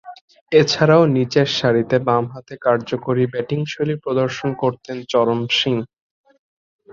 এছাড়াও, নিচেরসারিতে বামহাতে কার্যকরী ব্যাটিংশৈলী প্রদর্শন করতেন চরণ সিং।